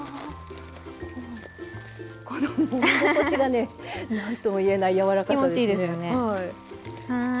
粉のもみ心地がなんともいえないやわらかさですよね。